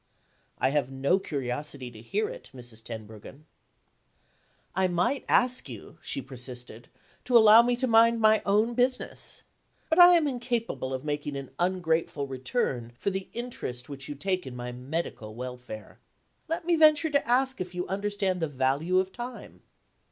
"I have no curiosity to hear it, Mrs. Tenbruggen." "I might ask you," she persisted, "to allow me to mind my own business. But I am incapable of making an ungrateful return for the interest which you take in my medical welfare. Let me venture to ask if you understand the value of time."